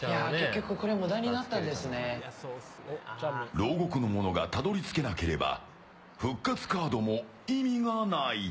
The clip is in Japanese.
牢獄の者がたどり着けなければ復活カードも意味がない。